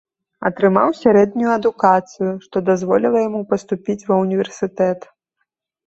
Атрымаў сярэднюю адукацыю, што дазволіла яму паступіць ва ўніверсітэт.